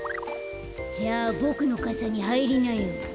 じゃあボクのかさにはいりなよ。